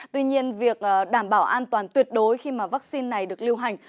tuy nhiên việc đảm bảo an toàn tuyệt đối khi mà vaccine này được lưu hành